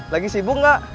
lagi sibuk gak